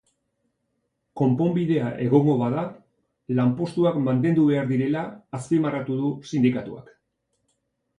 Konponbidea egongo bada, lanpostuak mantendu behar direla azpimarratu du sindikatuak.